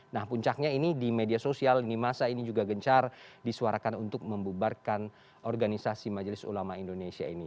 nah puncaknya ini di media sosial lini masa ini juga gencar disuarakan untuk membubarkan organisasi majelis ulama indonesia ini